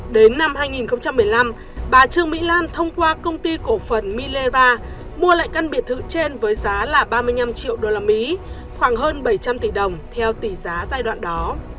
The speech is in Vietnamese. đến năm hai nghìn một mươi năm bà trương mỹ lan thông qua công ty cổ phần mileva mua lại căn biệt thự trên với giá là ba mươi năm triệu usd khoảng hơn bảy trăm linh tỷ đồng theo tỷ giá giai đoạn đó